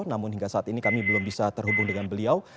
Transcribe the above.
namun hingga saat ini kami belum bisa terhubung dengan beliau